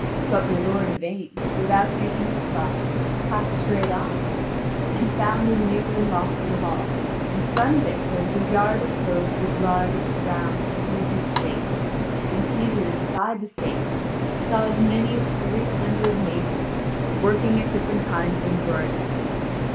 But my lord Yvain, without making reply, passed straight on, and found a new and lofty hall; in front of it there was a yard enclosed with large, round, pointed stakes, and seated inside the stakes he saw as many as three hundred maidens, working at different kinds of embroidery.